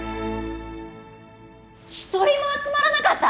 １人も集まらなかった！？